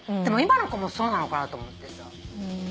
でも今の子もそうなのかなと思ってさ。